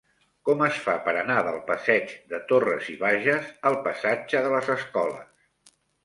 Com es fa per anar del passeig de Torras i Bages al passatge de les Escoles?